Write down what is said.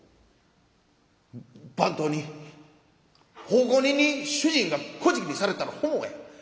番頭に奉公人に主人がこじきにされたら本望や。